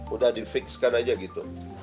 udah difikskan aja gitu